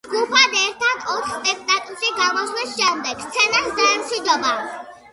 ჯგუფთან ერთად ოთხ სპექტაკლში გამოსვლის შემდეგ, სცენას დაემშვიდობა.